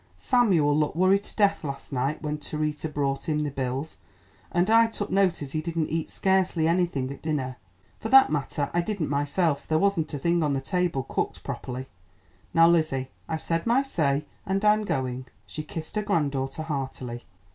"Samuel looked worried to death last night when Terita brought him the bills. And I took notice he didn't eat scarcely anything at dinner. For that matter, I didn't myself; there wasn't a thing on the table cooked properly. Now, Lizzie, I've said my say, and I'm going." She kissed her granddaughter heartily.